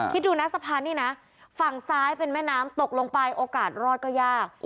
คิดดูนะสะพานนี่นะฝั่งซ้ายเป็นแม่น้ำตกลงไปโอกาสรอดก็ยาก